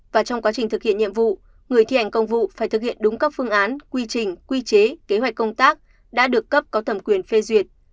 và trong quá trình thực hiện nhiệm vụ người thi hành công vụ phải thực hiện đúng các phương án quy trình quy chế kế hoạch công tác đã được cấp có thẩm quyền phê duyệt